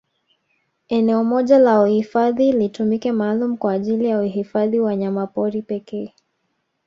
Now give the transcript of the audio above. Eneo moja la uhifadhi litumike maalum kwa ajili ya uhifadhi wanyamapori pekee